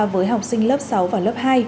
với học sinh lớp sáu và lớp hai